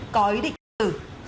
có ý định tự tử